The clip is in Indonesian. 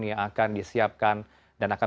yang akan disiapkan dan akan